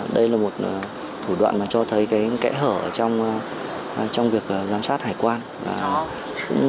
đây là một thủ đoạn cho thấy kẽ hở trong việc giám sát hải quan